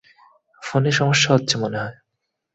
ফোনে সমস্যা হচ্ছে মনে হয়।